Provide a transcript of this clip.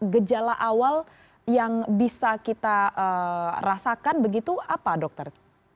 gejala awal yang bisa kita rasakan begitu apa dokter